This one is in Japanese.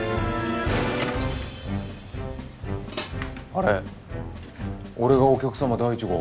あれ俺がお客様第１号？